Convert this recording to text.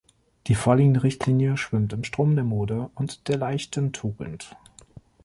Die vorliegende Richtlinie schwimmt im Strom der Mode und der leichten Tugend.